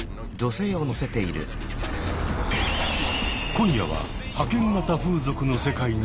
今夜は派遣型風俗の世界に潜入。